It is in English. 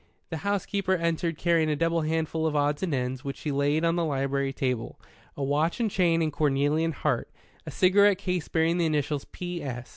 The housekeeper entered carrying a double handful of odds and ends which she laid on the library table a watch and chain and cornelian heart, a cigarette case bearing the initials "P.S.